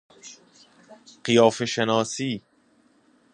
قیافه شناسی